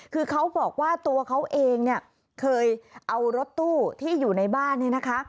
คือเขาบอกว่าตัวเขาเองเนี่ยเคยเอารถตู้ที่อยู่ในบ้านเนี่ยนะคะ